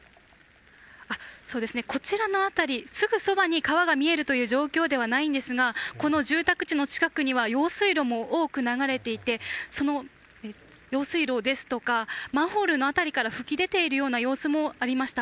こちらの辺り、すぐそばに川が見えるという状況ではないんですが住宅地の近くには用水路も多く流れていて、その用水路ですとかマンホールの辺りから噴き出ているような様子もありました。